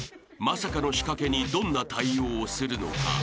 ［まさかの仕掛けにどんな対応をするのか？］